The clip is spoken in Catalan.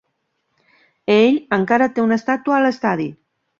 Ell encara té una estàtua a l'estadi.